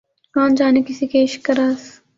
کون جانے کسی کے عشق کا راز